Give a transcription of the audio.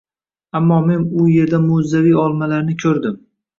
Ammo men u yerda mo‘’jizaviy olmalarni ko‘rdim.